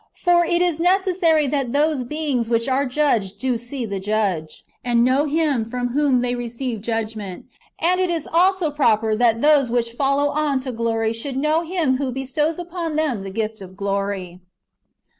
For it is necessary that those [beings] which are judged do see the judge, and know Him from whom they receive judgment; and it is also proper, that those which follow on to glory should know Him who bestows upon them the gift of glory.